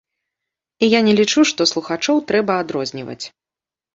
І я не лічу, што слухачоў трэба адрозніваць.